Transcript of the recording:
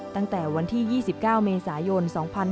ตั้งแต่วันที่๒๙เมษายน๒๕๕๙